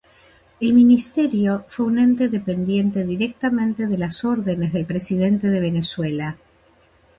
El ministerio fue un ente dependiente directamente de las órdenes del presidente de Venezuela.